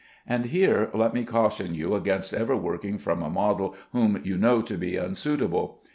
And here let me caution you against ever working from a model whom you know to be unsuitable.